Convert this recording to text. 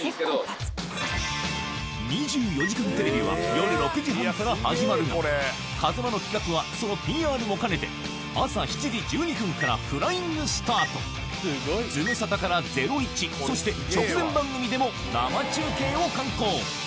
『２４時間テレビ』は夜６時半から始まるが風間の企画はそのＰＲも兼ねて朝７時１２分からフライングスタート『ズムサタ』から『ゼロイチ』そして直前番組でも生中継を敢行